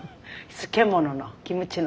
漬物のキムチの。